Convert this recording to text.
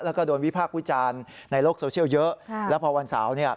แล้วก็โดนวิพากษ์วิจารณ์ในโลกโซเชียลเยอะแล้วพอวันเสาร์เนี่ย